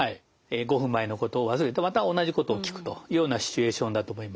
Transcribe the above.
５分前のことを忘れてまた同じことを聞くというようなシチュエーションだと思います。